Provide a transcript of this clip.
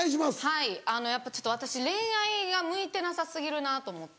はいやっぱ私恋愛が向いてなさ過ぎるなと思って。